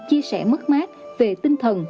chia sẻ mất mát về tinh thần